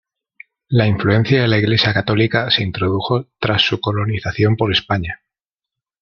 La influencia de la Iglesia católica se introdujo tras su colonización por España.